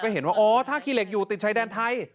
เห็นว่าอ๋อถ้าขี้เหล็กอยู่ติดชายแดนไทย